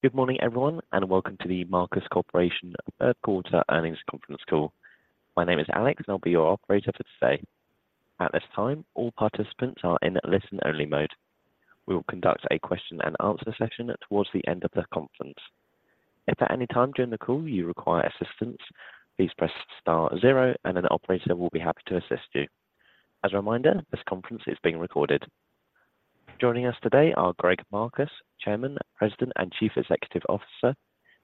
Good morning, everyone, and welcome to The Marcus Corporation third quarter earnings conference call. My name is Alex, and I'll be your operator for today. At this time, all participants are in listen-only mode. We will conduct a question and answer session towards the end of the conference. If at any time during the call you require assistance, please press star zero and an operator will be happy to assist you. As a reminder, this conference is being recorded. Joining us today are Greg Marcus, Chairman, President, and Chief Executive Officer,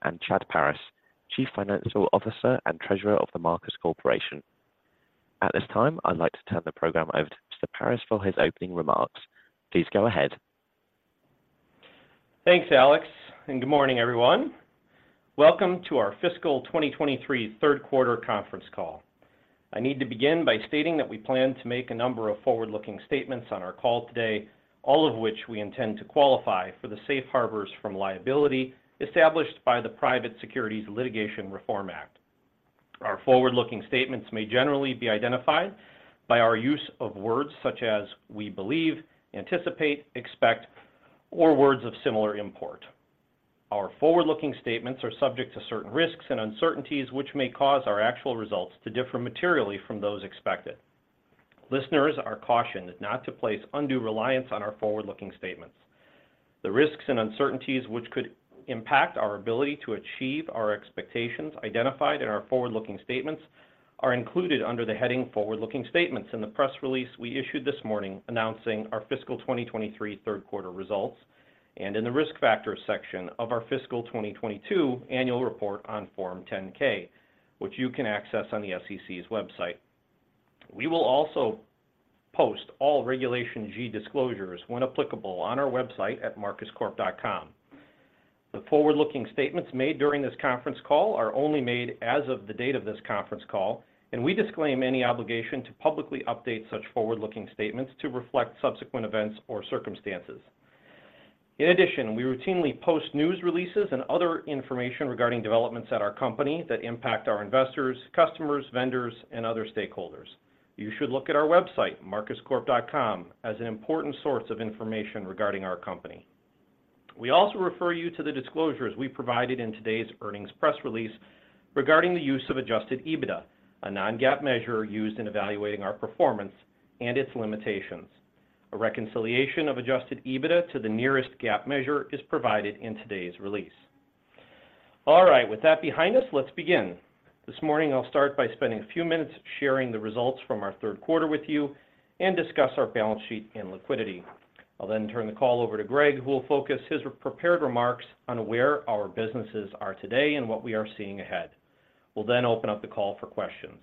and Chad Paris, Chief Financial Officer and Treasurer of The Marcus Corporation. At this time, I'd like to turn the program over to Mr. Paris for his opening remarks. Please go ahead. Thanks, Alex, and good morning, everyone. Welcome to our fiscal 2023 third quarter conference call. I need to begin by stating that we plan to make a number of forward-looking statements on our call today, all of which we intend to qualify for the safe harbors from liability established by the Private Securities Litigation Reform Act. Our forward-looking statements may generally be identified by our use of words such as we believe, anticipate, expect, or words of similar import. Our forward-looking statements are subject to certain risks and uncertainties, which may cause our actual results to differ materially from those expected. Listeners are cautioned not to place undue reliance on our forward-looking statements. The risks and uncertainties which could impact our ability to achieve our expectations identified in our forward-looking statements are included under the heading Forward-Looking Statements in the press release we issued this morning announcing our fiscal 2023 third quarter results, and in the Risk Factors section of our fiscal 2022 Annual Report on Form 10-K, which you can access on the SEC's website. We will also post all Regulation G disclosures, when applicable, on our website at marcuscorp.com. The forward-looking statements made during this conference call are only made as of the date of this conference call, and we disclaim any obligation to publicly update such forward-looking statements to reflect subsequent events or circumstances. In addition, we routinely post news releases and other information regarding developments at our company that impact our investors, customers, vendors, and other stakeholders. You should look at our website, marcuscorp.com, as an important source of information regarding our company. We also refer you to the disclosures we provided in today's earnings press release regarding the use of adjusted EBITDA, a non-GAAP measure used in evaluating our performance and its limitations. A reconciliation of adjusted EBITDA to the nearest GAAP measure is provided in today's release. All right, with that behind us, let's begin. This morning, I'll start by spending a few minutes sharing the results from our third quarter with you and discuss our balance sheet and liquidity. I'll then turn the call over to Greg, who will focus his prepared remarks on where our businesses are today and what we are seeing ahead. We'll then open up the call for questions.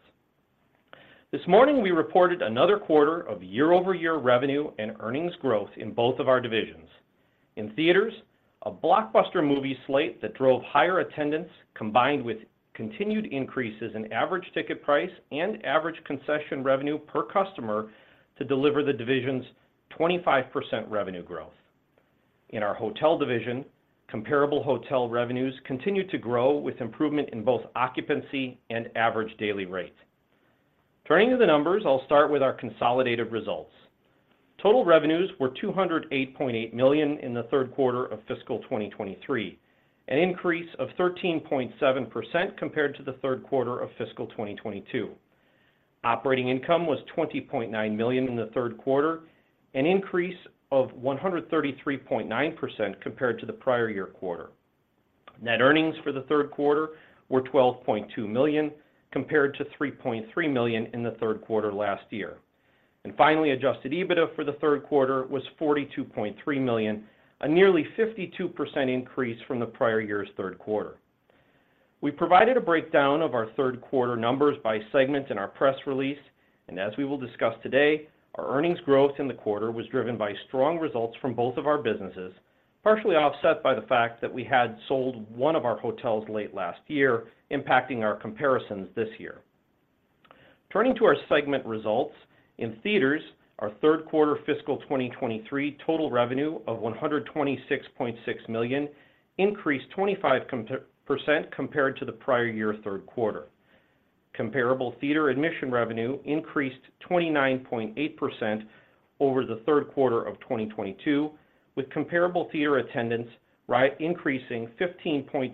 This morning, we reported another quarter of year-over-year revenue and earnings growth in both of our divisions. In theaters, a blockbuster movie slate that drove higher attendance, combined with continued increases in average ticket price and average concession revenue per customer to deliver the division's 25% revenue growth. In our hotel division, comparable hotel revenues continued to grow with improvement in both occupancy and average daily rate. Turning to the numbers, I'll start with our consolidated results. Total revenues were $208.8 million in the third quarter of fiscal 2023, an increase of 13.7% compared to the third quarter of fiscal 2022. Operating income was $20.9 million in the third quarter, an increase of 133.9% compared to the prior year quarter. Net earnings for the third quarter were $12.2 million, compared to $3.3 million in the third quarter last year. Finally, adjusted EBITDA for the third quarter was $42.3 million, a nearly 52% increase from the prior year's third quarter. We provided a breakdown of our third quarter numbers by segment in our press release, and as we will discuss today, our earnings growth in the quarter was driven by strong results from both of our businesses, partially offset by the fact that we had sold one of our hotels late last year, impacting our comparisons this year. Turning to our segment results, in theaters, our third quarter fiscal 2023 total revenue of $126.6 million increased 25% compared to the prior year third quarter. Comparable theater admission revenue increased 29.8% over the third quarter of 2022, with comparable theater attendance increasing 15.6%.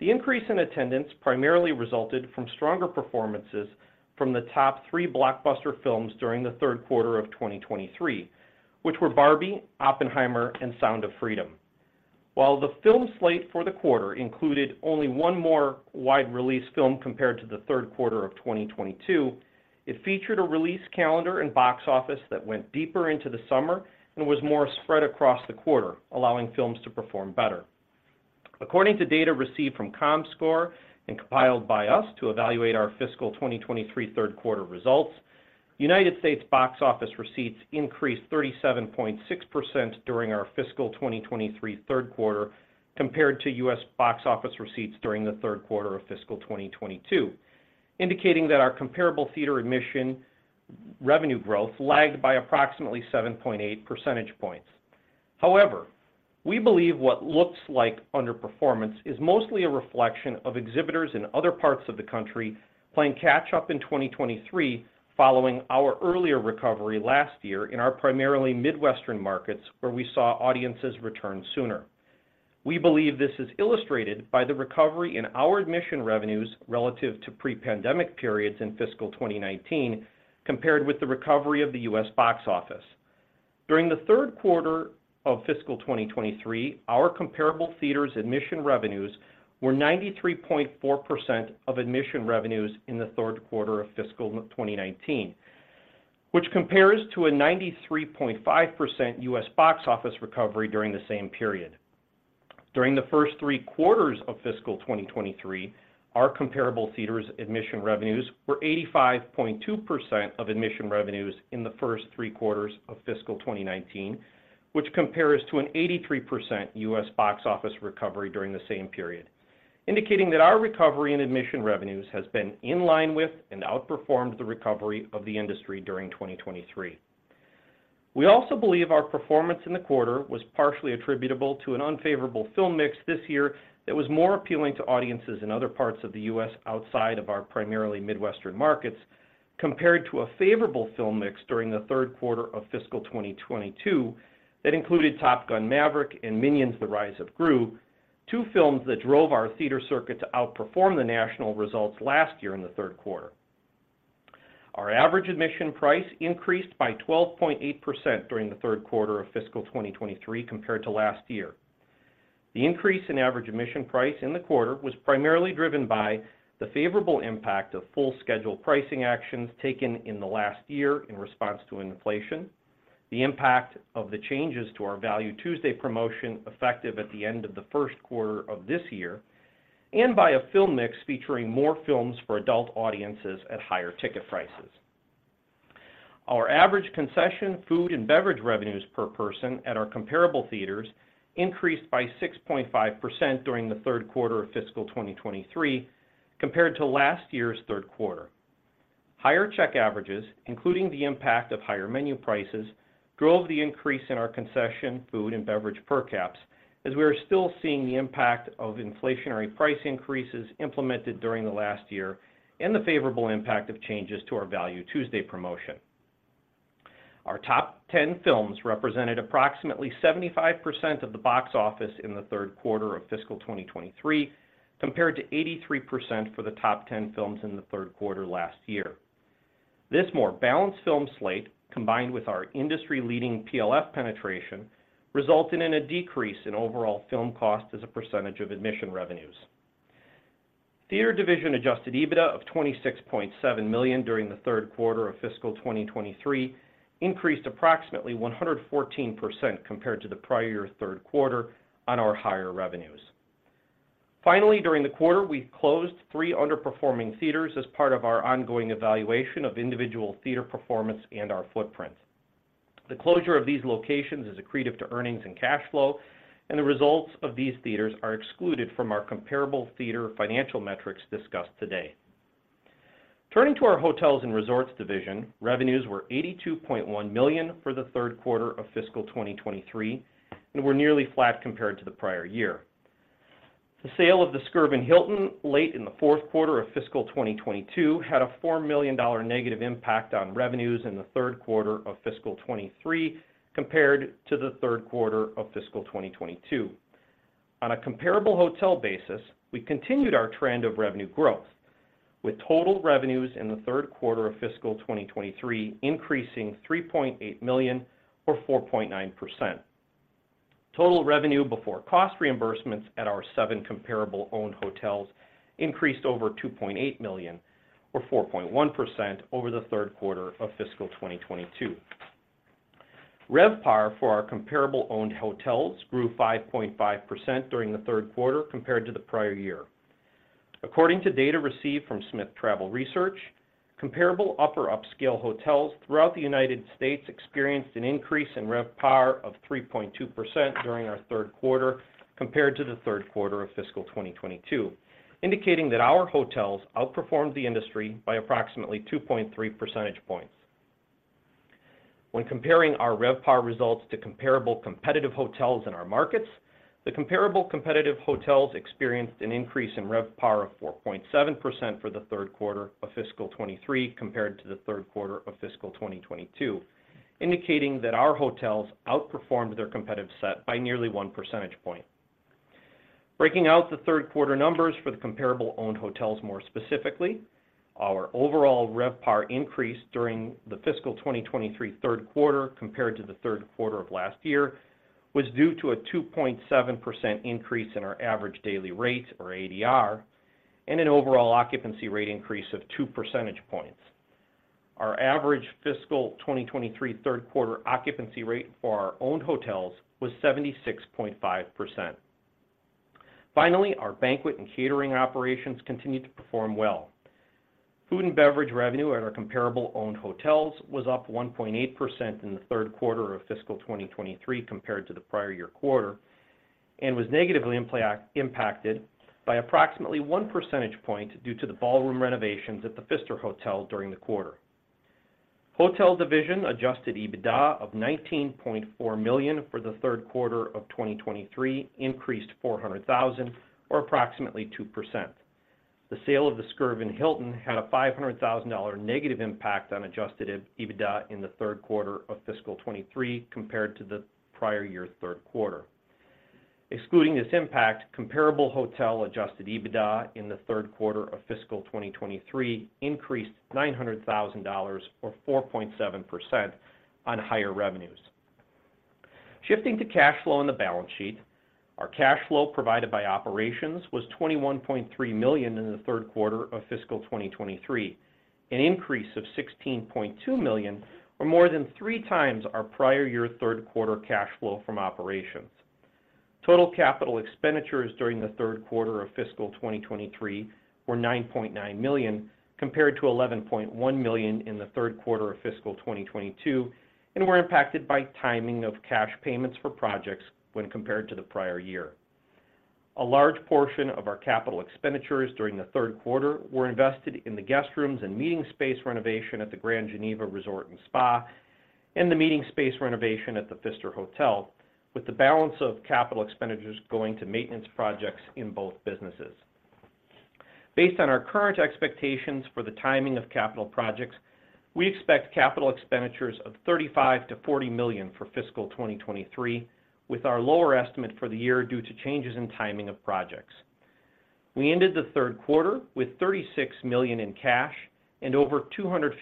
The increase in attendance primarily resulted from stronger performances from the top three blockbuster films during the third quarter of 2023, which were Barbie, Oppenheimer, and Sound of Freedom. While the film slate for the quarter included only one more wide-release film compared to the third quarter of 2022, it featured a release calendar and box office that went deeper into the summer and was more spread across the quarter, allowing films to perform better. According to data received from Comscore and compiled by us to evaluate our fiscal 2023 third quarter results, United States box office receipts increased 37.6% during our fiscal 2023 third quarter compared to U.S. box office receipts during the third quarter of fiscal 2022, indicating that our comparable theater admission revenue growth lagged by approximately 7.8 percentage points. However, we believe what looks like underperformance is mostly a reflection of exhibitors in other parts of the country playing catch-up in 2023 following our earlier recovery last year in our primarily Midwestern markets, where we saw audiences return sooner. We believe this is illustrated by the recovery in our admission revenues relative to pre-pandemic periods in fiscal 2019, compared with the recovery of the U.S. box office. During the third quarter of fiscal 2023, our comparable theaters' admission revenues were 93.4% of admission revenues in the third quarter of fiscal 2019, which compares to a 93.5% U.S. box office recovery during the same period. During the first three quarters of fiscal 2023, our comparable theaters' admission revenues were 85.2% of admission revenues in the first three quarters of fiscal 2019, which compares to an 83% U.S. box office recovery during the same period, indicating that our recovery in admission revenues has been in line with and outperformed the recovery of the industry during 2023. We also believe our performance in the quarter was partially attributable to an unfavorable film mix this year that was more appealing to audiences in other parts of the U.S. outside of our primarily Midwestern markets, compared to a favorable film mix during the third quarter of fiscal 2022 that included Top Gun: Maverick and Minions: The Rise of Gru, two films that drove our theater circuit to outperform the national results last year in the third quarter. Our average admission price increased by 12.8% during the third quarter of fiscal 2023 compared to last year. The increase in average admission price in the quarter was primarily driven by the favorable impact of full schedule pricing actions taken in the last year in response to inflation, the impact of the changes to our Value Tuesday promotion, effective at the end of the first quarter of this year, and by a film mix featuring more films for adult audiences at higher ticket prices. Our average concession, food, and beverage revenues per person at our comparable theaters increased by 6.5% during the third quarter of fiscal 2023 compared to last year's third quarter. Higher check averages, including the impact of higher menu prices, drove the increase in our concession, food, and beverage per caps, as we are still seeing the impact of inflationary price increases implemented during the last year and the favorable impact of changes to our Value Tuesday promotion. Our Top 10 films represented approximately 75% of the box office in the third quarter of fiscal 2023, compared to 83% for the Top 10 films in the third quarter last year. This more balanced film slate, combined with our industry-leading PLF penetration, resulted in a decrease in overall film cost as a percentage of admission revenues. Theater division adjusted EBITDA of $26.7 million during the third quarter of fiscal 2023 increased approximately 114% compared to the prior year's third quarter on our higher revenues. Finally, during the quarter, we closed three underperforming theaters as part of our ongoing evaluation of individual theater performance and our footprint. The closure of these locations is accretive to earnings and cash flow, and the results of these theaters are excluded from our comparable theater financial metrics discussed today. Turning to our hotels and resorts division, revenues were $82.1 million for the third quarter of fiscal 2023 and were nearly flat compared to the prior year. The sale of the Skirvin Hilton late in the fourth quarter of fiscal 2022 had a $4 million negative impact on revenues in the third quarter of fiscal 2023 compared to the third quarter of fiscal 2022. On a comparable hotel basis, we continued our trend of revenue growth, with total revenues in the third quarter of fiscal 2023 increasing $3.8 million or 4.9%. Total revenue before cost reimbursements at our seven comparable owned hotels increased over $2.8 million or 4.1% over the third quarter of fiscal 2022. RevPAR for our comparable owned hotels grew 5.5% during the third quarter compared to the prior year. According to data received from Smith Travel Research, comparable upper upscale hotels throughout the United States experienced an increase in RevPAR of 3.2% during our third quarter compared to the third quarter of fiscal 2022, indicating that our hotels outperformed the industry by approximately 2.3 percentage points. When comparing our RevPAR results to comparable competitive hotels in our markets, the comparable competitive hotels experienced an increase in RevPAR of 4.7% for the third quarter of fiscal 2023 compared to the third quarter of fiscal 2022, indicating that our hotels outperformed their competitive set by nearly 1 percentage point. Breaking out the third quarter numbers for the comparable owned hotels more specifically, our overall RevPAR increase during the fiscal 2023 third quarter compared to the third quarter of last year, was due to a 2.7% increase in our average daily rate or ADR, and an overall occupancy rate increase of 2 percentage points. Our average fiscal 2023 third quarter occupancy rate for our owned hotels was 76.5%. Finally, our banquet and catering operations continued to perform well. Food and beverage revenue at our comparable owned hotels was up 1.8% in the third quarter of fiscal 2023 compared to the prior year quarter, and was negatively impacted by approximately one percentage point due to the ballroom renovations at The Pfister Hotel during the quarter. Hotel division adjusted EBITDA of $19.4 million for the third quarter of 2023 increased $400,000 or approximately 2%. The sale of the Skirvin Hilton had a $500,000 negative impact on adjusted EBITDA in the third quarter of fiscal 2023 compared to the prior year's third quarter. Excluding this impact, comparable hotel adjusted EBITDA in the third quarter of fiscal 2023 increased $900,000, or 4.7% on higher revenues. Shifting to cash flow on the balance sheet, our cash flow provided by operations was $21.3 million in the third quarter of fiscal 2023, an increase of $16.2 million, or more than three times our prior year third quarter cash flow from operations. Total capital expenditures during the third quarter of fiscal 2023 were $9.9 million, compared to $11.1 million in the third quarter of fiscal 2022, and were impacted by timing of cash payments for projects when compared to the prior year. A large portion of our capital expenditures during the third quarter were invested in the guest rooms and meeting space renovation at the Grand Geneva Resort & Spa, and the meeting space renovation at The Pfister Hotel, with the balance of capital expenditures going to maintenance projects in both businesses. Based on our current expectations for the timing of capital projects, we expect capital expenditures of $35 million-$40 million for fiscal 2023, with our lower estimate for the year due to changes in timing of projects. We ended the third quarter with $36 million in cash and over $256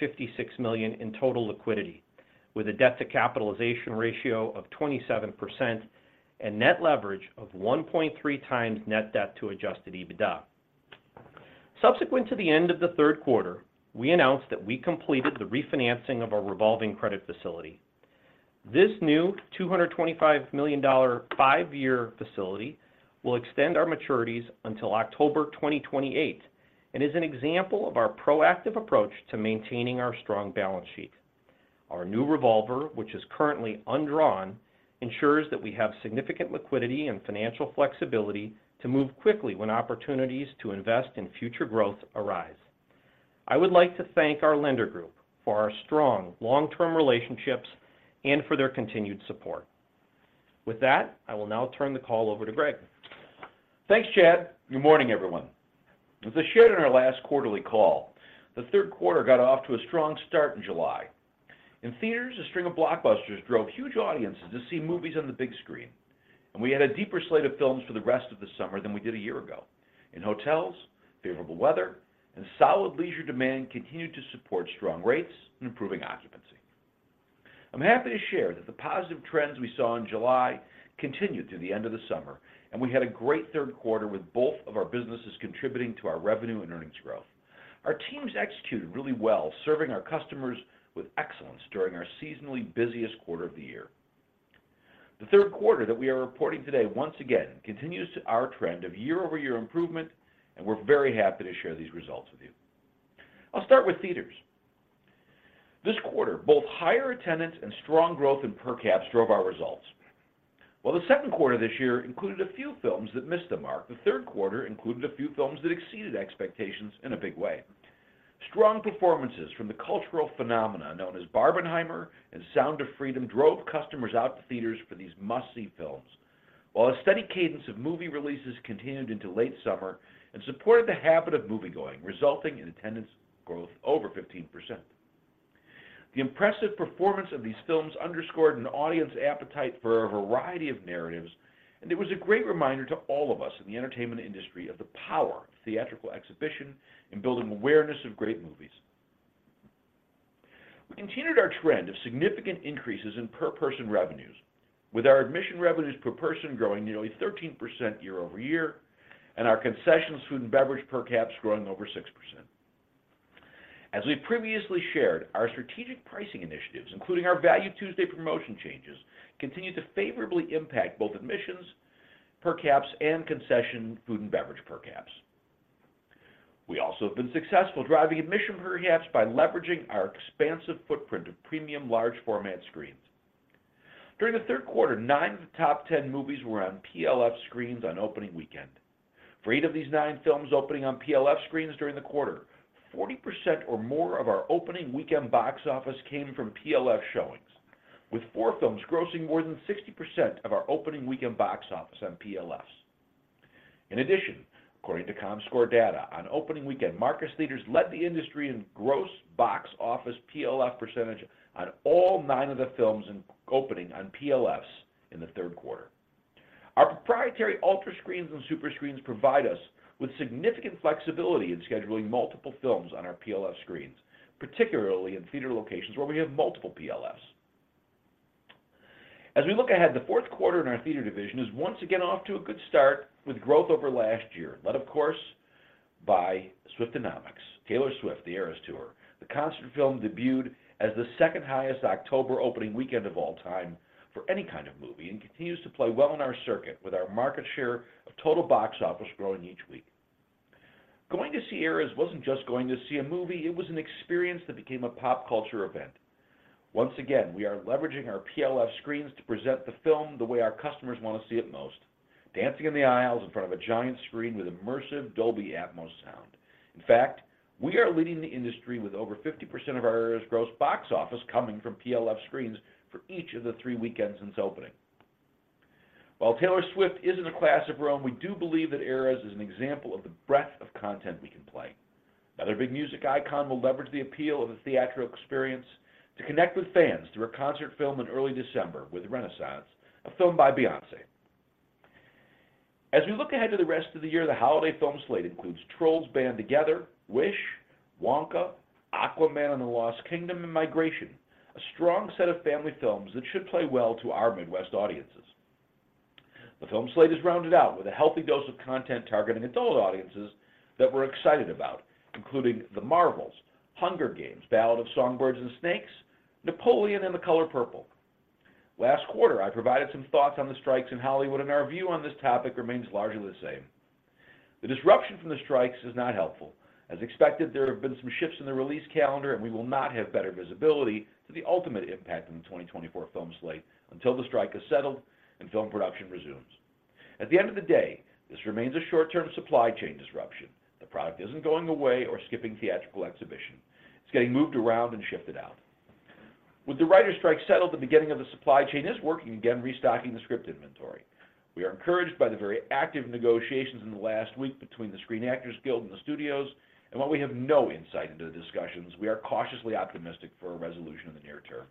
million in total liquidity, with a debt to capitalization ratio of 27% and net leverage of 1.3x net debt to adjusted EBITDA. Subsequent to the end of the third quarter, we announced that we completed the refinancing of our revolving credit facility. This new $225 million five-year facility will extend our maturities until October 2028, and is an example of our proactive approach to maintaining our strong balance sheet. Our new revolver, which is currently undrawn, ensures that we have significant liquidity and financial flexibility to move quickly when opportunities to invest in future growth arise. I would like to thank our lender group for our strong long-term relationships and for their continued support. With that, I will now turn the call over to Greg. Thanks, Chad. Good morning, everyone. As I shared on our last quarterly call, the third quarter got off to a strong start in July. In theaters, a string of blockbusters drove huge audiences to see movies on the big screen, and we had a deeper slate of films for the rest of the summer than we did a year ago. In hotels, favorable weather and solid leisure demand continued to support strong rates and improving occupancy. I'm happy to share that the positive trends we saw in July continued through the end of the summer, and we had a great third quarter, with both of our businesses contributing to our revenue and earnings growth. Our teams executed really well, serving our customers with excellence during our seasonally busiest quarter of the year. The third quarter that we are reporting today, once again, continues our trend of year-over-year improvement, and we're very happy to share these results with you. I'll start with theaters. This quarter, both higher attendance and strong growth in per caps drove our results. While the second quarter this year included a few films that missed the mark, the third quarter included a few films that exceeded expectations in a big way. Strong performances from the cultural phenomena known as Barbenheimer and Sound of Freedom drove customers out to theaters for these must-see films, while a steady cadence of movie releases continued into late summer and supported the habit of moviegoing, resulting in attendance growth over 15%. The impressive performance of these films underscored an audience appetite for a variety of narratives, and it was a great reminder to all of us in the entertainment industry of the power of theatrical exhibition in building awareness of great movies. We continued our trend of significant increases in per-person revenues, with our admission revenues per person growing nearly 13% year-over-year, and our concessions, food, and beverage per caps growing over 6%. As we previously shared, our strategic pricing initiatives, including our Value Tuesday promotion changes, continued to favorably impact both admissions, per caps, and concession food and beverage per caps. We also have been successful driving admission per caps by leveraging our expansive footprint of premium large format screens. During the third quarter, nine of the Top 10 Movies were on PLF screens on opening weekend. For eight of these nine films opening on PLF screens during the quarter, 40% or more of our opening weekend box office came from PLF showings, with four films grossing more than 60% of our opening weekend box office on PLFs. In addition, according to Comscore data, on opening weekend, Marcus Theatres led the industry in gross box office PLF percentage on all nine of the films opening on PLFs in the third quarter. Our proprietary UltraScreen and SuperScreen provide us with significant flexibility in scheduling multiple films on our PLF screens, particularly in theatre locations where we have multiple PLFs. As we look ahead, the fourth quarter in our theatre division is once again off to a good start with growth over last year, led, of course, by Swiftonomics, Taylor Swift: The Eras Tour. The concert film debuted as the second highest October opening weekend of all time for any kind of movie and continues to play well in our circuit, with our market share of total box office growing each week. Going to see Eras wasn't just going to see a movie, it was an experience that became a pop culture event. Once again, we are leveraging our PLF screens to present the film the way our customers want to see it most: dancing in the aisles in front of a giant screen with immersive Dolby Atmos sound. In fact, we are leading the industry with over 50% of our Eras gross box office coming from PLF screens for each of the three weekends since opening. While Taylor Swift isn't a classic rom-com, we do believe that Eras is an example of the breadth of content we can play. Another big music icon will leverage the appeal of the theatrical experience to connect with fans through a concert film in early December with Renaissance: A Film by Beyoncé. As we look ahead to the rest of the year, the holiday film slate includes Trolls Band Together, Wish, Wonka, Aquaman and the Lost Kingdom, and Migration, a strong set of family films that should play well to our Midwest audiences. The film slate is rounded out with a healthy dose of content targeting adult audiences that we're excited about, including The Marvels, Hunger Games: The Ballad of Songbirds and Snakes, Napoleon, and The Color Purple. Last quarter, I provided some thoughts on the strikes in Hollywood, and our view on this topic remains largely the same. The disruption from the strikes is not helpful. As expected, there have been some shifts in the release calendar, and we will not have better visibility to the ultimate impact on the 2024 film slate until the strike is settled and film production resumes. At the end of the day, this remains a short-term supply chain disruption. The product isn't going away or skipping theatrical exhibition. It's getting moved around and shifted out. With the writers' strike settled, the beginning of the supply chain is working again, restocking the script inventory. We are encouraged by the very active negotiations in the last week between the Screen Actors Guild and the studios, and while we have no insight into the discussions, we are cautiously optimistic for a resolution in the near term.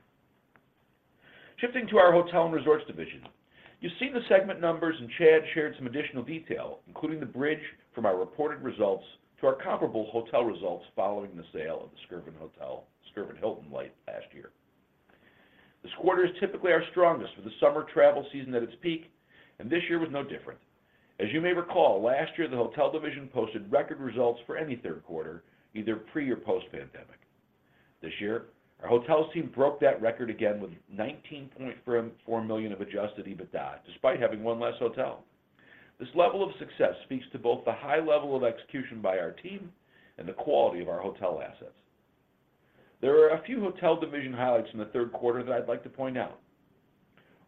Shifting to our hotel and resorts division. You've seen the segment numbers, and Chad shared some additional detail, including the bridge from our reported results to our comparable hotel results following the sale of the Skirvin Hotel-Skirvin Hilton late last year. This quarter is typically our strongest, with the summer travel season at its peak, and this year was no different. As you may recall, last year, the hotel division posted record results for any third quarter, either pre or post-pandemic. This year, our hotels team broke that record again with $19.4 million of adjusted EBITDA, despite having one less hotel. This level of success speaks to both the high level of execution by our team and the quality of our hotel assets. There are a few hotel division highlights in the third quarter that I'd like to point out.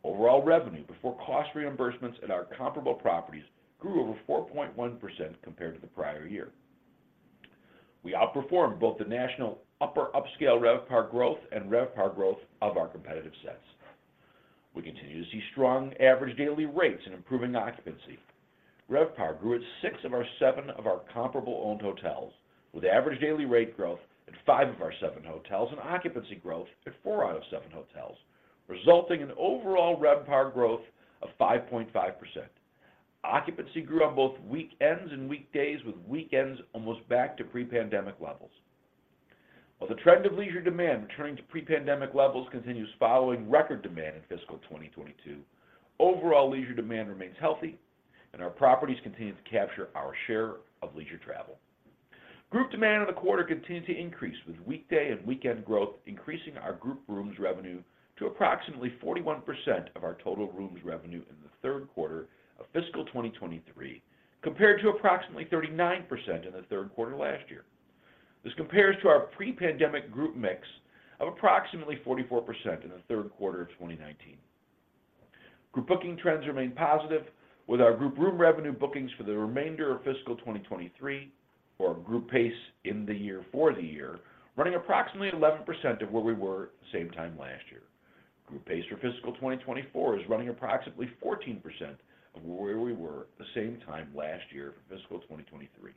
Overall revenue before cost reimbursements at our comparable properties grew over 4.1% compared to the prior year. We outperformed both the national upper upscale RevPAR growth and RevPAR growth of our competitive sets. We continue to see strong average daily rates and improving occupancy. RevPAR grew at six of our seven comparable owned hotels, with average daily rate growth at five of our seven hotels and occupancy growth at four out of seven hotels, resulting in overall RevPAR growth of 5.5%. Occupancy grew on both weekends and weekdays, with weekends almost back to pre-pandemic levels. While the trend of leisure demand returning to pre-pandemic levels continues following record demand in fiscal 2022, overall leisure demand remains healthy, and our properties continue to capture our share of leisure travel. Group demand in the quarter continued to increase, with weekday and weekend growth increasing our group rooms revenue to approximately 41% of our total rooms revenue in the third quarter of fiscal 2023, compared to approximately 39% in the third quarter last year. This compares to our pre-pandemic group mix of approximately 44% in the third quarter of 2019. Group booking trends remain positive, with our group room revenue bookings for the remainder of fiscal 2023 or group pace in the year for the year, running approximately 11% of where we were same time last year. Group pace for fiscal 2024 is running approximately 14% of where we were the same time last year for fiscal 2023.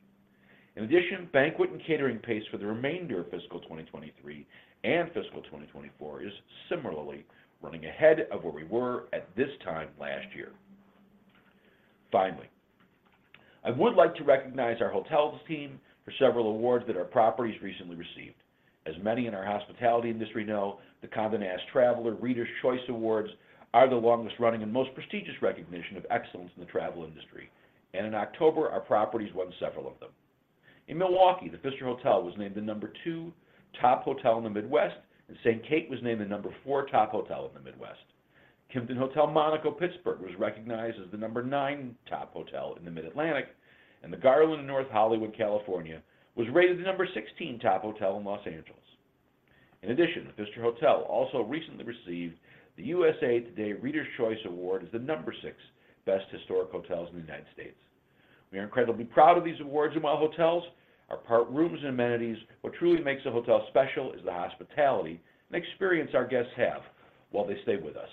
In addition, banquet and catering pace for the remainder of fiscal 2023 and fiscal 2024 is similarly running ahead of where we were at this time last year. Finally, I would like to recognize our hotels team for several awards that our properties recently received. As many in our hospitality industry know, the Condé Nast Traveler Readers' Choice Awards are the longest running and most prestigious recognition of excellence in the travel industry, and in October, our properties won several of them. In Milwaukee, The Pfister Hotel was named the number two top hotel in the Midwest, and Saint Kate was named the number 4 top hotel in the Midwest. Kimpton Hotel Monaco Pittsburgh was recognized as the number 9 top hotel in the Mid-Atlantic, and The Garland in North Hollywood, California, was rated the number 16 top hotel in Los Angeles. In addition, The Pfister Hotel also recently received the USA Today Readers' Choice Award as the #6 best historic hotels in the United States. We are incredibly proud of these awards and while hotels are part rooms and amenities, what truly makes a hotel special is the hospitality and experience our guests have while they stay with us.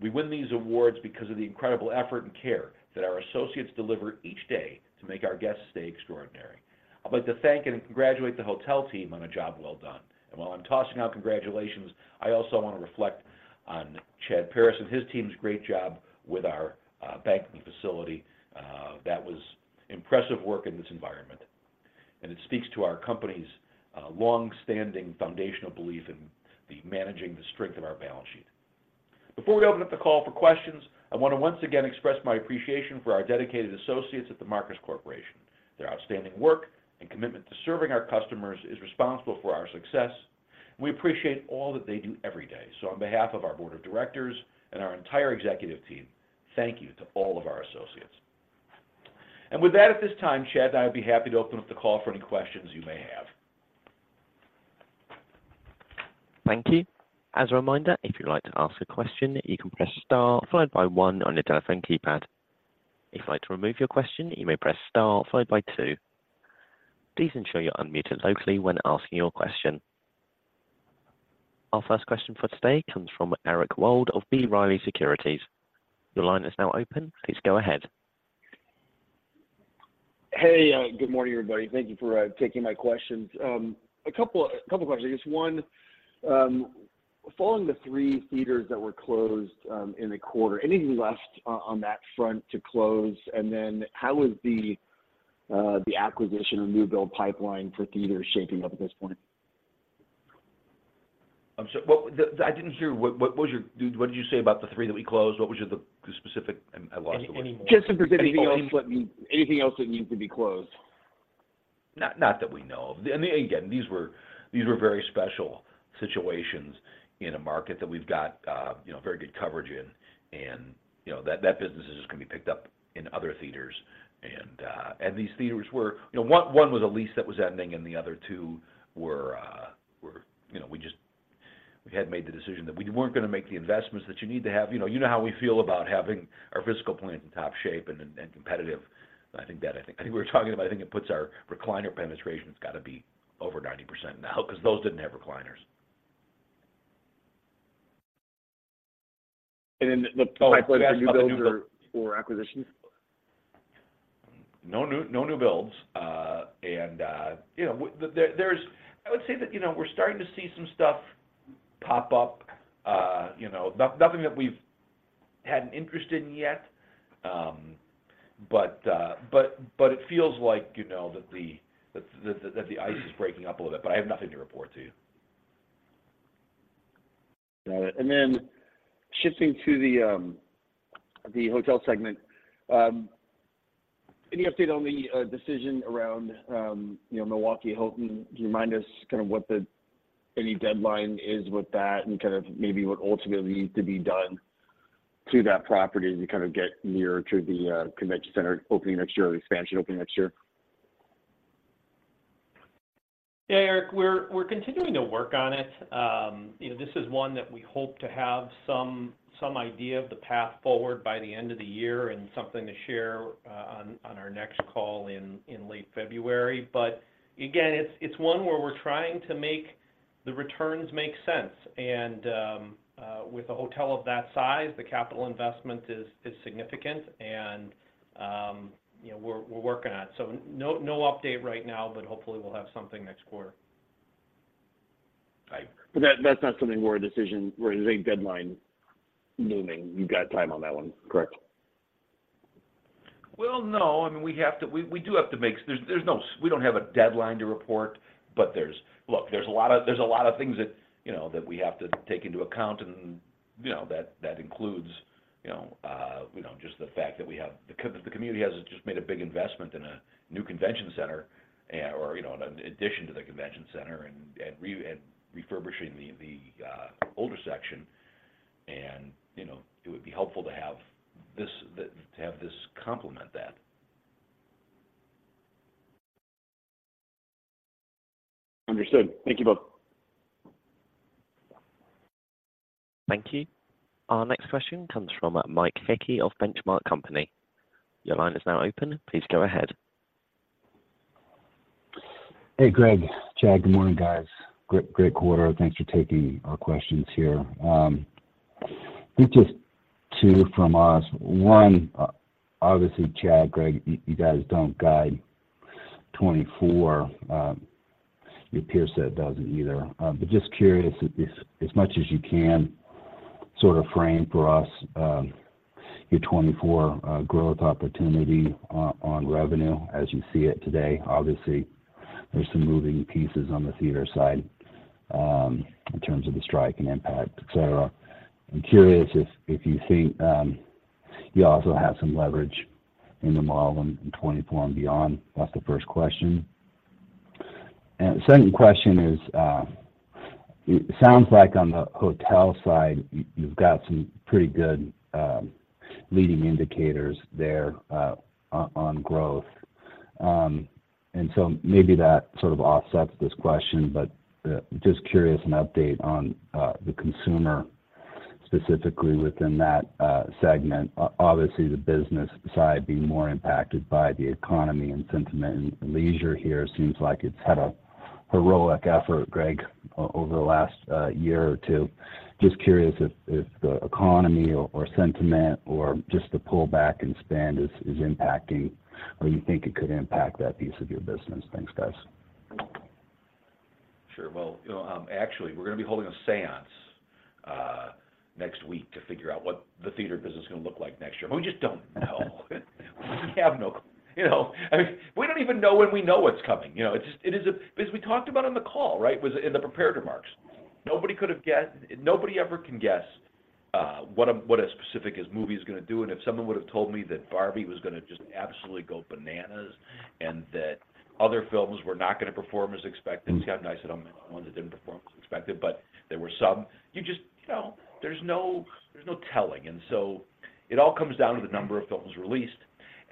We win these awards because of the incredible effort and care that our associates deliver each day to make our guests stay extraordinary. I'd like to thank and congratulate the hotel team on a job well done. And while I'm tossing out congratulations, I also want to reflect on Chad Paris and his team's great job with our banking facility. That was impressive work in this environment, and it speaks to our company's long-standing foundational belief in managing the strength of our balance sheet. Before we open up the call for questions, I want to once again express my appreciation for our dedicated associates at The Marcus Corporation. Their outstanding work and commitment to serving our customers is responsible for our success. We appreciate all that they do every day. On behalf of our board of directors and our entire executive team, thank you to all of our associates. With that, at this time, Chad and I would be happy to open up the call for any questions you may have. Thank you. As a reminder, if you'd like to ask a question, you can press star followed by one on your telephone keypad. If you'd like to remove your question, you may press star followed by two. Please ensure you're unmuted locally when asking your question. Our first question for today comes from Eric Wold of B. Riley Securities. Your line is now open. Please go ahead. Hey, good morning, everybody. Thank you for taking my questions. A couple questions. Just one, following the three theaters that were closed in the quarter, anything left on that front to close? And then how is the acquisition or new build pipeline for theaters shaping up at this point? Well, I didn't hear. What—what did you say about the three that we closed? What was your—the specific... I lost you. Any, any- Just in specific- Anything else that needs to be closed? Not, not that we know of. And again, these were very special situations in a market that we've got, you know, very good coverage in, and, you know, that business is just going to be picked up in other theaters. And these theaters were. You know, one was a lease that was ending, and the other two were, you know, we just we had made the decision that we weren't going to make the investments that you need to have. You know how we feel about having our physical plants in top shape and competitive. I think that, I think. I think we were talking about, I think it puts our recliner penetration has got to be over 90% now, because those didn't have recliners. And then the pipeline for new builds or, or acquisitions? No new, no new builds. And, you know, I would say that, you know, we're starting to see some stuff pop up. You know, nothing that we've had an interest in yet. But it feels like, you know, that the ice is breaking up a little bit, but I have nothing to report to you. Got it. And then shifting to the hotel segment, any update on the decision around, you know, Milwaukee Hilton? Can you remind us kind of what any deadline is with that and kind of maybe what ultimately needs to be done to that property to kind of get nearer to the convention center opening next year or the expansion opening next year? Yeah, Eric, we're continuing to work on it. You know, this is one that we hope to have some idea of the path forward by the end of the year and something to share on our next call in late February. But again, it's one where we're trying to make the returns make sense. And with a hotel of that size, the capital investment is significant, and you know, we're working on it. So no update right now, but hopefully, we'll have something next quarter. But that, that's not something where a decision, where there's a deadline looming. You've got time on that one, correct? Well, no, I mean, we have to. We do have to make. There's no, we don't have a deadline to report, but there's. Look, there's a lot of things that, you know, that we have to take into account, and, you know, that includes, you know, just the fact that the community has just made a big investment in a new convention center, or, you know, an addition to the convention center and refurbishing the older section. And, you know, it would be helpful to have this to have this complement that. Understood. Thank you both. Thank you. Our next question comes from Mike Hickey of Benchmark Company. Your line is now open. Please go ahead. Hey, Greg, Chad. Good morning, guys. Great, great quarter. Thanks for taking our questions here. I think just two from us. One, obviously, Chad, Greg, you guys don't guide 2024. It appears that it doesn't either. But just curious, as much as you can, sort of frame for us, your 2024 growth opportunity on revenue as you see it today. Obviously, there's some moving pieces on the theater side, in terms of the strike and impact, et cetera. I'm curious if you think you also have some leverage in the model in 2024 and beyond. That's the first question. And the second question is, it sounds like on the hotel side, you've got some pretty good leading indicators there, on growth. So maybe that sort of offsets this question, but just curious, an update on the consumer, specifically within that segment. Obviously, the business side being more impacted by the economy and sentiment, and leisure here seems like it's had a heroic effort, Greg, over the last year or two. Just curious if the economy or sentiment or just the pullback in spend is impacting, or you think it could impact that piece of your business? Thanks, guys. Sure. Well, you know, actually, we're going to be holding a séance next week to figure out what the theater business is going to look like next year. We just don't know. We have no, you know, I mean, we don't even know when we know what's coming. You know, it's just, it is a... As we talked about on the call, right? Was in the prepared remarks. Nobody could have guessed, nobody ever can guess what a specific movie is going to do. And if someone would have told me that Barbie was going to just absolutely go bananas and that other films were not going to perform as expected, see how nice that ones that didn't perform as expected, but there were some. You just, you know, there's no, there's no telling. And so it all comes down to the number of films released,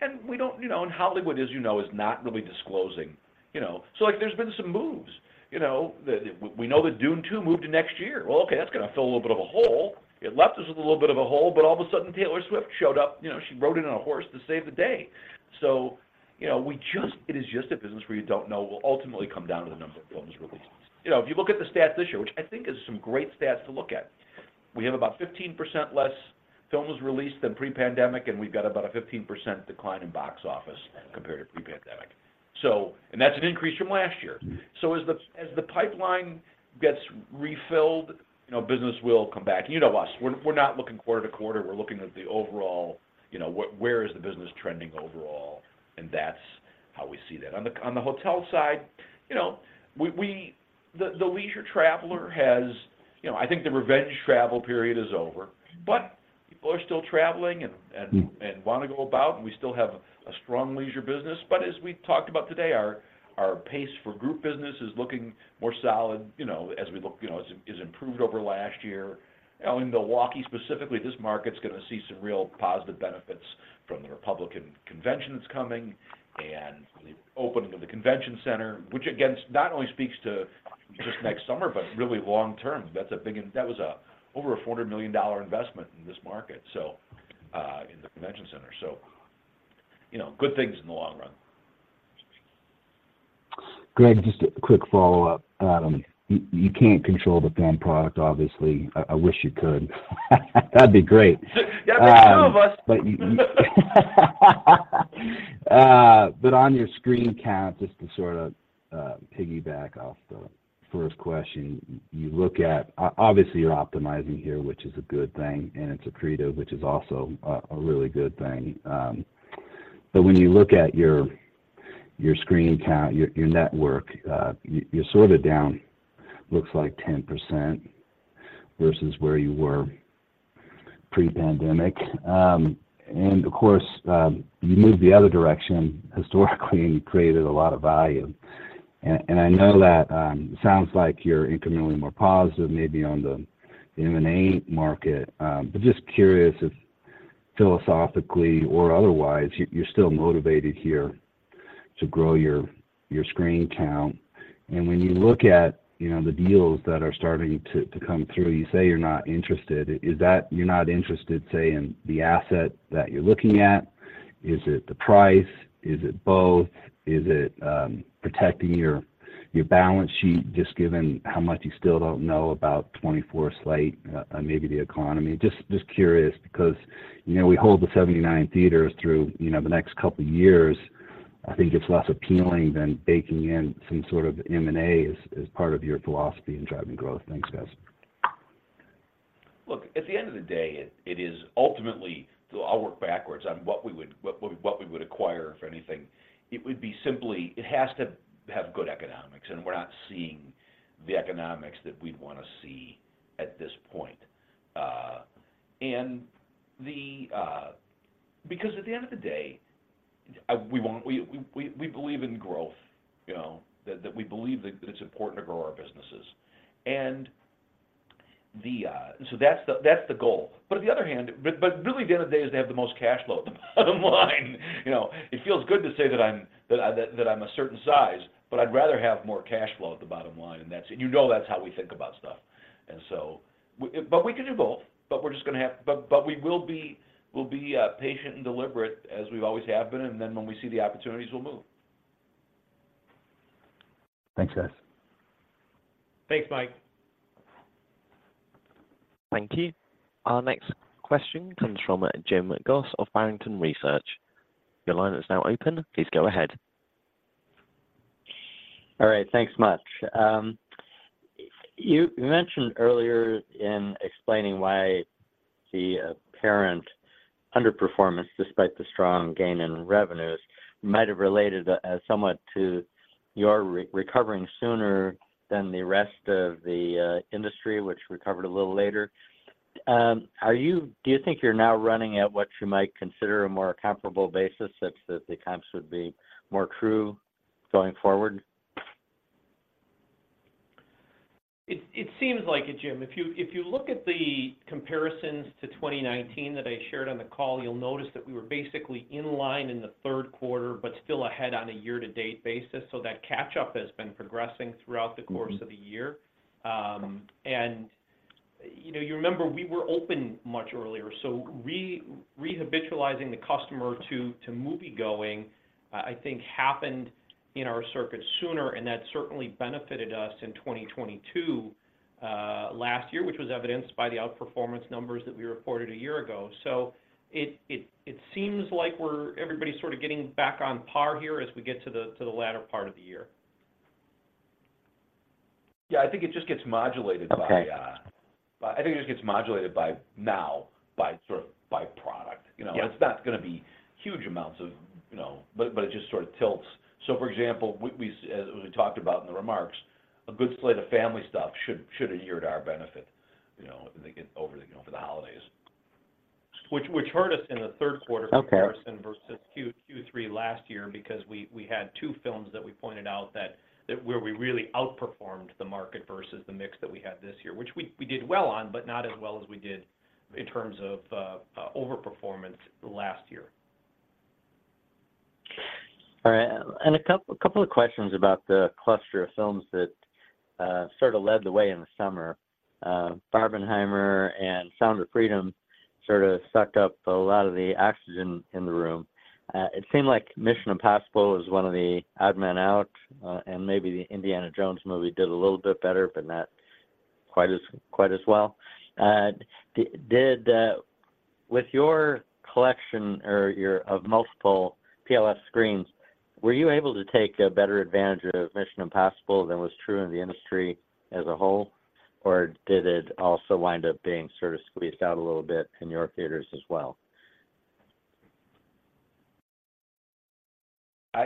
and we don't, you know, and Hollywood, as you know, is not really disclosing, you know. So, like, there's been some moves, you know, that we know that Dune Two moved to next year. Well, okay, that's going to fill a little bit of a hole. It left us with a little bit of a hole, but all of a sudden, Taylor Swift showed up, you know, she rode in on a horse to save the day. So, you know, we just, it is just a business where you don't know will ultimately come down to the number of films released. You know, if you look at the stats this year, which I think is some great stats to look at, we have about 15% less films released than pre-pandemic, and we've got about a 15% decline in box office compared to pre-pandemic. So, that's an increase from last year. So as the pipeline gets refilled, you know, business will come back. And you know us, we're not looking quarter to quarter, we're looking at the overall, you know, where is the business trending overall, and that's how we see that. On the hotel side, you know, the leisure traveler has... You know, I think the revenge travel period is over, but people are still traveling and wanna go about, and we still have a strong leisure business. But as we've talked about today, our pace for group business is looking more solid, you know, as we look—you know, as it's improved over last year. In Milwaukee specifically, this market's gonna see some real positive benefits from the Republican Convention that's coming, and the opening of the convention center, which again, not only speaks to just next summer, but really long term. That's a big... That was a over $400 million investment in this market, so, in the convention center. So, you know, good things in the long run. Greg, just a quick follow-up. You can't control the film product, obviously. I wish you could. That'd be great. Yeah, be a few of us. But on your screen count, just to sort of piggyback off the first question. You look at obviously, you're optimizing here, which is a good thing, and it's accretive, which is also a really good thing. But when you look at your, your screen count, your, your network, you, you're sort of down, looks like 10% versus where you were pre-pandemic. And of course, you moved the other direction historically, and you created a lot of value. And I know that, it sounds like you're incrementally more positive, maybe on the M&A market. But just curious if philosophically or otherwise, you're still motivated here to grow your, your screen count. And when you look at, you know, the deals that are starting to come through, you say you're not interested. Is that you're not interested, say, in the asset that you're looking at? Is it the price? Is it both? Is it protecting your balance sheet, just given how much you still don't know about 2024 slate, and maybe the economy? Just curious, because, you know, we hold the 79 theaters through, you know, the next couple of years. I think it's less appealing than baking in some sort of M&A as part of your philosophy in driving growth. Thanks, guys. Look, at the end of the day, it is ultimately, so I'll work backwards on what we would acquire, if anything. It would be simply, it has to have good economics, and we're not seeing the economics that we'd wanna see at this point. Because at the end of the day, we believe in growth, you know. That we believe that it's important to grow our businesses. So that's the goal. But on the other hand, really, at the end of the day, is to have the most cash flow at the bottom line. You know, it feels good to say that I'm a certain size, but I'd rather have more cash flow at the bottom line, and that's... You know that's how we think about stuff. And so, but we can do both, but we're just gonna but, but we will be, we'll be, patient and deliberate, as we always have been, and then when we see the opportunities, we'll move. Thanks, guys. Thanks, Mike. Thank you. Our next question comes from Jim Goss of Barrington Research. Your line is now open. Please go ahead. All right. Thanks much. You mentioned earlier in explaining why the apparent underperformance, despite the strong gain in revenues, might have related somewhat to your recovering sooner than the rest of the industry, which recovered a little later. Do you think you're now running at what you might consider a more comparable basis, such that the comps would be more true going forward? It seems like it, Jim. If you look at the comparisons to 2019 that I shared on the call, you'll notice that we were basically in line in the third quarter, but still ahead on a year-to-date basis. So that catch-up has been progressing throughout the Mm-hmm Course of the year. And, you know, you remember we were open much earlier, so rehabitualizing the customer to moviegoing, I think happened in our circuit sooner, and that certainly benefited us in 2022, last year, which was evidenced by the outperformance numbers that we reported a year ago. So it seems like we're everybody's sort of getting back on par here as we get to the latter part of the year. Yeah, I think it just gets modulated by, Okay I think it just gets modulated by now, by sort of by product, you know? Yeah. It's not gonna be huge amounts of, you know... But it just sort of tilts. So for example, we, as we talked about in the remarks, a good slate of family stuff should adhere to our benefit, you know, I think over the holidays. Which heard us in the third quarter- Okay Comparison versus Q3 last year, because we had two films that we pointed out that were we really outperformed the market versus the mix that we had this year, which we did well on, but not as well as we did in terms of overperformance last year. All right. And a couple of questions about the cluster of films that sort of led the way in the summer. Barbenheimer and Sound of Freedom sort of sucked up a lot of the oxygen in the room. It seemed like Mission: Impossible was one of the odd man out, and maybe the Indiana Jones movie did a little bit better, but not quite as well. And did, with your collection of multiple PLF screens, were you able to take a better advantage of Mission: Impossible than was true in the industry as a whole? Or did it also wind up being sort of squeezed out a little bit in your theaters as well?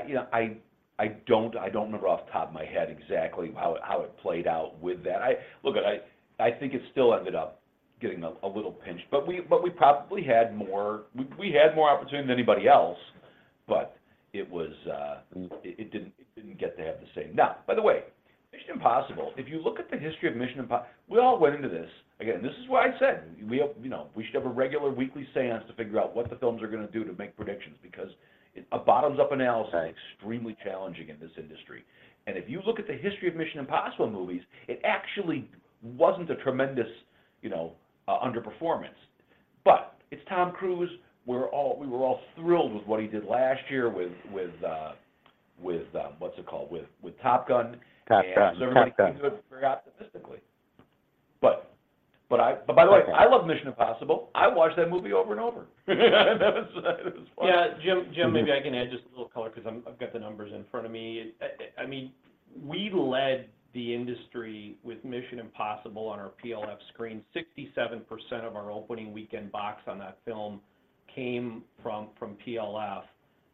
You know, I don't remember off the top of my head exactly how it played out with that. Look, I think it still ended up getting a little pinched, but we probably had more. We had more opportunity than anybody else, but it was, it didn't get to have the same. Now, by the way, Mission: Impossible, if you look at the history of Mission: Impossible, we all went into this, again, this is why I said, you know, we should have a regular weekly séance to figure out what the films are gonna do to make predictions, because a bottoms-up analysis- Right Extremely challenging in this industry. And if you look at the history of Mission: Impossible movies, it actually wasn't a tremendous, you know, underperformance. But it's Tom Cruise. We're all-- we were all thrilled with what he did last year with, with, with, what's it called? With, with Top Gun. Top Gun, Top Gun. And so everybody came to it, forgot statistically. But I- Okay. By the way, I love Mission: Impossible. I watch that movie over and over. That was, that was fun. Yeah, Jim, Jim, maybe I can add just a little color because I'm- I've got the numbers in front of me. I mean, we led the industry with Mission: Impossible on our PLF screen. 67% of our opening weekend box on that film came from PLF.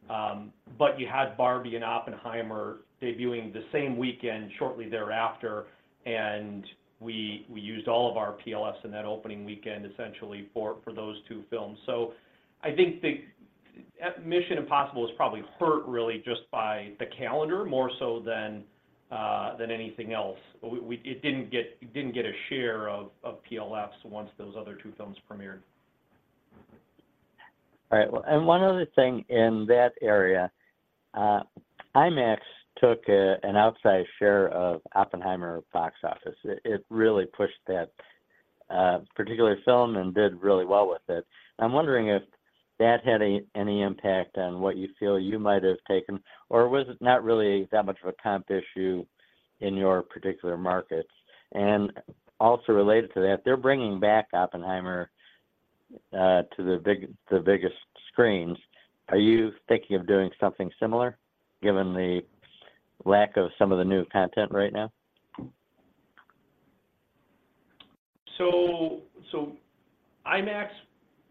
But you had Barbie and Oppenheimer debuting the same weekend, shortly thereafter, and we used all of our PLFs in that opening weekend, essentially for those two films. So I think the Mission: Impossible is probably hurt really just by the calendar, more so than anything else. It didn't get a share of PLFs once those other two films premiered. All right. Well, and one other thing in that area, IMAX took an outside share of Oppenheimer box office. It really pushed that particular film and did really well with it. I'm wondering if that had any impact on what you feel you might have taken, or was it not really that much of a comp issue in your particular markets? And also related to that, they're bringing back Oppenheimer to the biggest screens. Are you thinking of doing something similar, given the lack of some of the new content right now? So, IMAX,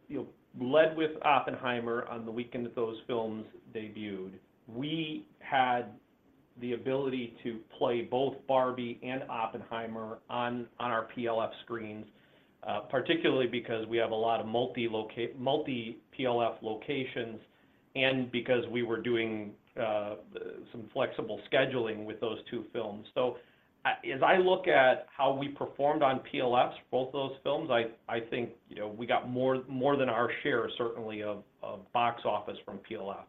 you know, led with Oppenheimer on the weekend that those films debuted. We had the ability to play both Barbie and Oppenheimer on our PLF screens, particularly because we have a lot of multi PLF locations, and because we were doing some flexible scheduling with those two films. So, as I look at how we performed on PLFs, both those films, I think, you know, we got more than our share, certainly of box office from PLFs.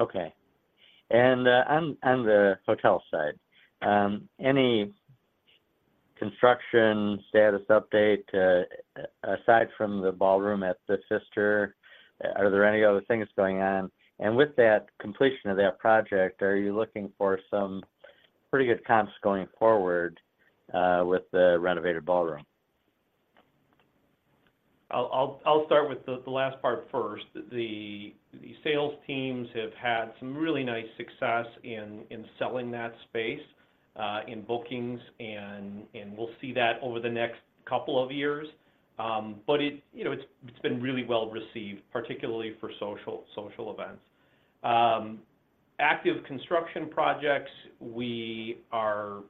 Okay. And on the hotel side, any construction status update aside from the ballroom at the Pfister, are there any other things going on? And with that completion of that project, are you looking for some pretty good comps going forward with the renovated ballroom? I'll start with the last part first. The sales teams have had some really nice success in selling that space in bookings, and we'll see that over the next couple of years. But you know, it's been really well-received, particularly for social events. Active construction projects, we are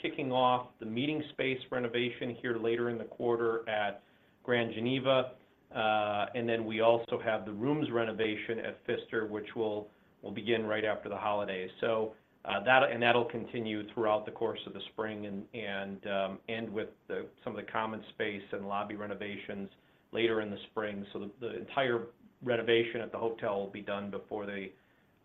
kicking off the meeting space renovation here later in the quarter at Grand Geneva. And then we also have the rooms renovation at Pfister, which will begin right after the holidays. So, that and that'll continue throughout the course of the spring and end with some of the common space and lobby renovations later in the spring. So the entire renovation at the hotel will be done before the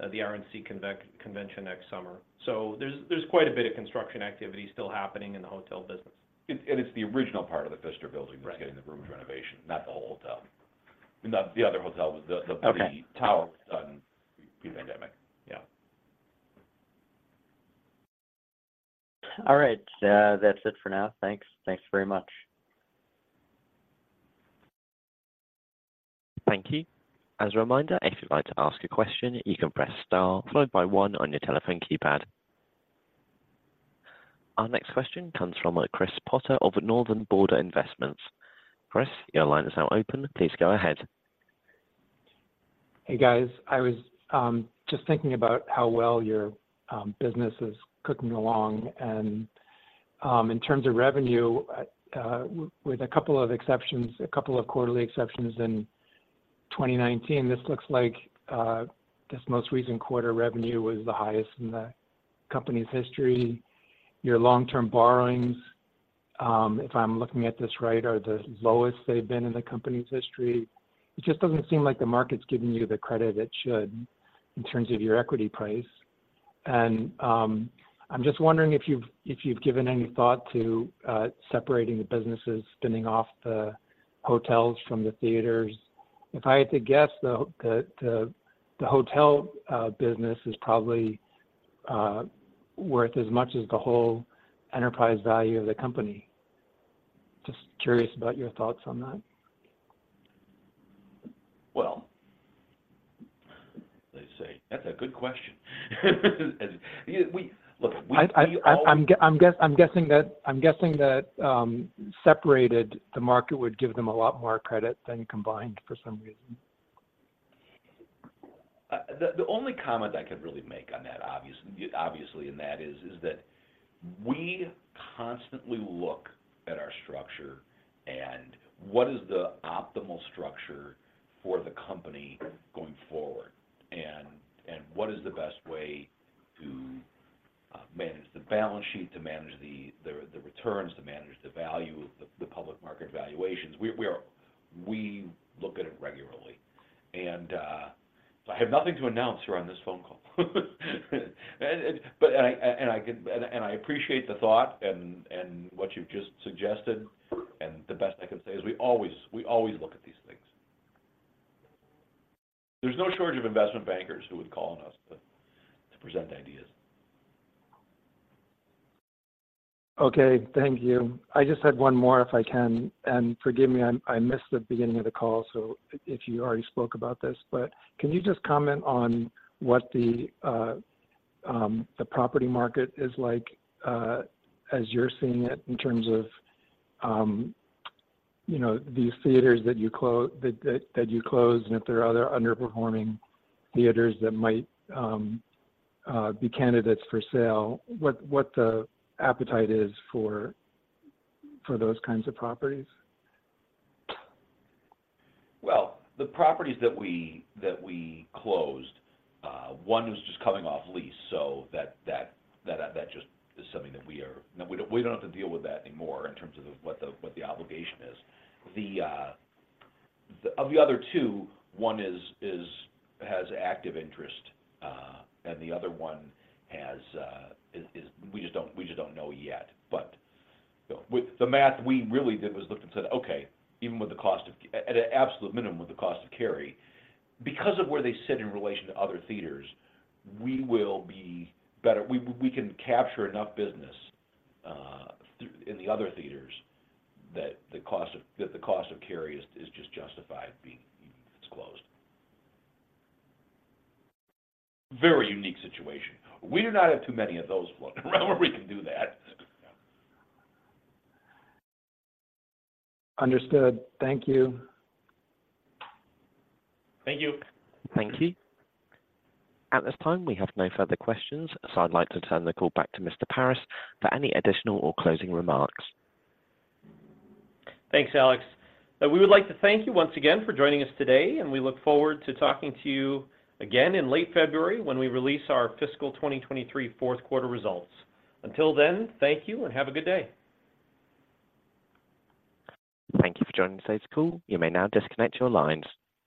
RNC convention next summer. So there's quite a bit of construction activity still happening in the hotel business. It, and it's the original part of the Pfister building- Right That's getting the rooms renovation, not the whole hotel. Not the other hotel. Okay Tower was done pre-pandemic. Yeah. All right, that's it for now. Thanks. Thanks very much. Thank you. As a reminder, if you'd like to ask a question, you can press Star, followed by One on your telephone keypad. Our next question comes from Chris Potter of Northern Border Investments. Chris, your line is now open. Please go ahead. Hey, guys. I was just thinking about how well your business is cooking along. And, in terms of revenue, with a couple of exceptions, a couple of quarterly exceptions in 2019, this looks like this most recent quarter revenue was the highest in the company's history. Your long-term borrowings, if I'm looking at this right, are the lowest they've been in the company's history. It just doesn't seem like the market's giving you the credit it should in terms of your equity price. And, I'm just wondering if you've given any thought to separating the businesses, spinning off the hotels from the theaters. If I had to guess, though, the hotel business is probably worth as much as the whole enterprise value of the company. Just curious about your thoughts on that. Well, they say that's a good question. Look, we, we always- I'm guessing that separated, the market would give them a lot more credit than combined, for some reason. The only comment I could really make on that, obviously, is that we constantly look at our structure, and what is the optimal structure for the company going forward? And what is the best way to manage the balance sheet, to manage the returns, to manage the value, the public market valuations? We look at it regularly, so I have nothing to announce here on this phone call. But I appreciate the thought and what you've just suggested, and the best I can say is we always look at these things. There's no shortage of investment bankers who would call on us to present ideas. Okay, thank you. I just had one more, if I can, and forgive me, I missed the beginning of the call, so if you already spoke about this, but can you just comment on what the property market is like, as you're seeing it, in terms of, you know, these theaters that you closed, and if there are other underperforming theaters that might be candidates for sale, what the appetite is for those kinds of properties? Well, the properties that we closed, one was just coming off lease, so that just is something that we are. Now, we don't have to deal with that anymore in terms of what the obligation is. The other two, one has active interest, and the other one has, we just don't know yet. But the math we really did was looked and said, "Okay, even with the cost of at an absolute minimum, with the cost of carry, because of where they sit in relation to other theaters, we will be better, we can capture enough business through in the other theaters, that the cost of carry is just justified being it's closed." Very unique situation. We do not have too many of those floating around where we can do that. Understood. Thank you. Thank you. Thank you. At this time, we have no further questions, so I'd like to turn the call back to Mr. Paris for any additional or closing remarks. Thanks, Alex. We would like to thank you once again for joining us today, and we look forward to talking to you again in late February when we release our fiscal 2023 fourth quarter results. Until then, thank you and have a good day. Thank you for joining today's call. You may now disconnect your lines.